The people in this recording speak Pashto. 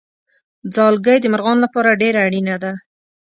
ځالګۍ د مرغانو لپاره ډېره اړینه ده.